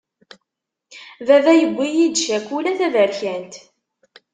Baba yewwi-yi-d cakula taberkant.